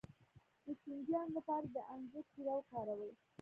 د چینجیانو لپاره د انځر شیره وکاروئ